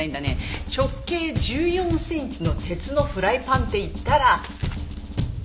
直径１４センチの鉄のフライパンっていったら。